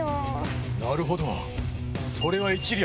なるほど！